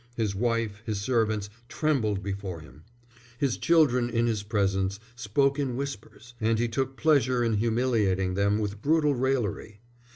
His wife, his servants, trembled before him; his children in his presence spoke in whispers, and he took pleasure in humiliating them with brutal raillery.